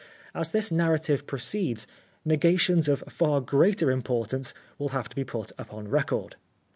As this narrative proceeds negations of far greater importance will have to be put upon record.